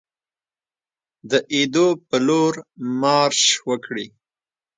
د ایدو په لور مارش وکړي.